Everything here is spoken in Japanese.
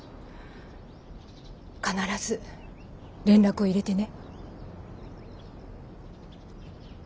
必ず連絡を入れてね。